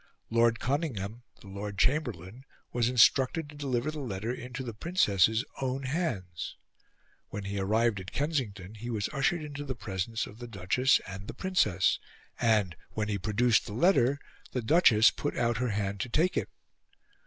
Lord Conyngham, the Lord Chamberlain, was instructed to deliver the letter into the Princess's own hands. When he arrived at Kensington, he was ushered into the presence of the Duchess and the Princess, and, when he produced the letter, the Duchess put out her hand to take it.